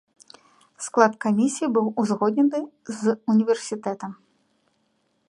Склад камісіі быў узгоднены з універсітэтам.